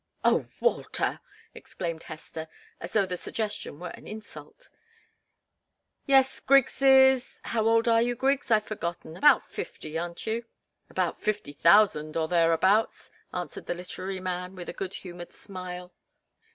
"Oh, Walter!" exclaimed Hester, as though the suggestion were an insult. "Yes, Griggs is how old are you, Griggs? I've forgotten. About fifty, aren't you?" "About fifty thousand, or thereabouts," answered the literary man, with a good humoured smile.